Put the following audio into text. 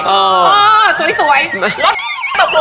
โอ้โห